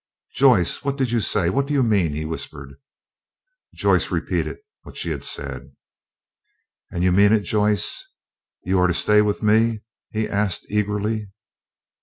"Joyce, what did you say? What do you mean?" he whispered. Joyce repeated what she had said. "And you mean it, Joyce? you are to stay with me?" he asked, eagerly.